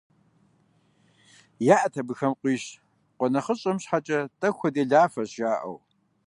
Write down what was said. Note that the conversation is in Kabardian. ЯӀэт абыхэм къуищ, къуэ нэхъыщӀэм щхьэкӀэ тӀэкӀу хуэделафэщ жаӀэу.